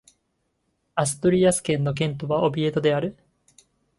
アストゥリアス県の県都はオビエドである